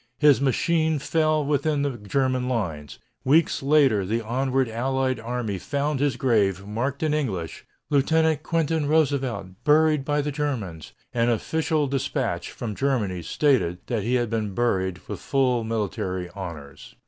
His machine fell within the German lines. Weeks later the onward Allied army found his grave, marked, in English, "Lieutenant Quentin Roosevelt, buried by the Germans," and an official despatch from Germany stated that he had been buried with full military honors.